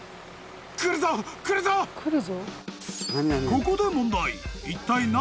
［ここで］